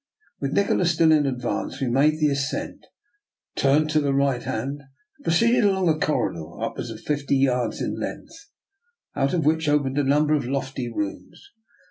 With Nikola still in advance, we made the ascent, turned to the right hand, and proceeded along a corridor, upwards of fifty yards in length, out of which opened a number of lofty rooms.